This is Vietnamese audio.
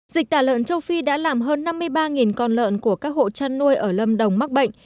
dịch tả lợn châu phi đã làm hơn năm mươi ba con lợn của các hộ chăn nuôi ở lâm đồng mắc bệnh